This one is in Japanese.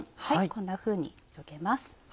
こんなふうに広げます。